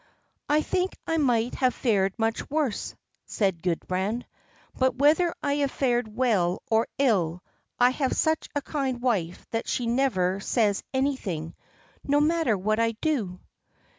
"I think I might have fared much worse," said Gudbrand; "but whether I have fared well or ill, I have such a kind wife that she never says anything, no matter what I do."